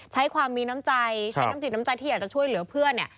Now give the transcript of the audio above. ใช้ความมีน้ำใจใช้น้ำจิตน้ำใจที่อยากจะช่วยเหลือเพื่อนเนี่ย